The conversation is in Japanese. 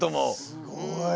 すごい。